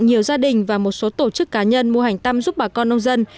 nhiều gia đình và một số tổ chức cá nhân mua hành tâm giúp bà con nông dân